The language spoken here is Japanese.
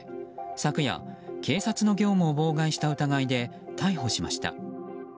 昨夜警察の業務を妨害した疑いで逮捕しました。